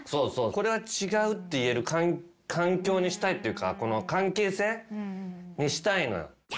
これは違うって言える環境にしたいっていうか関係性にしたいのよ。